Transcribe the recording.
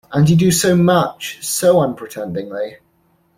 And you do so much, so unpretendingly!